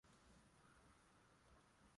wanaa haki ya ku kuandamana